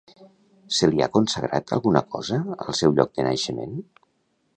Se li ha consagrat alguna cosa al seu lloc de naixement?